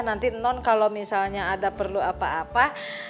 nanti non kalau misalnya ada perlu apa apa